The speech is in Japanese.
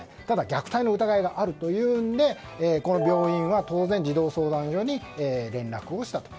ただ、虐待の疑いがあるのでこの病院は当然児童相談所に連絡をした。